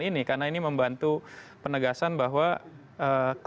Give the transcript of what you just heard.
yang pertama indonesia tentu sebenarnya tanpa hadapan